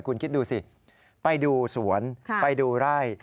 คุณคิดดูสิไปดูสวนไปดูไร่